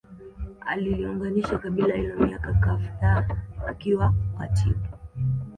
aliliunganisha kabila hilo miaka kafdhaa akiwa katibu